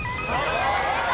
正解！